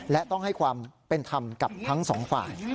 และต้องให้ความเป็นธรรมกับทั้งสองฝ่าย